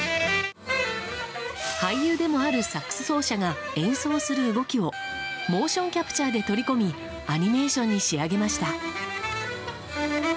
俳優でもあるサックス奏者が演奏する動きをモーションキャプチャーで取り込みアニメーションに仕上げました。